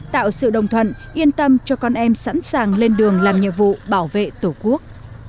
tạo sự đồng thuận yên tâm cho con em sẵn sàng lên đường làm nhiệm vụ bảo vệ tổ quốc